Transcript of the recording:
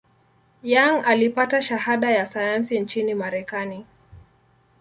Young alipata shahada ya sayansi nchini Marekani.